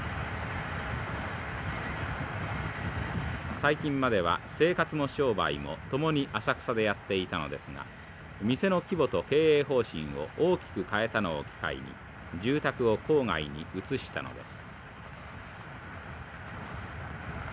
最近までは生活も商売もともに浅草でやっていたのですが店の規模と経営方針を大きく変えたのを機会に住宅を郊外に移したのです。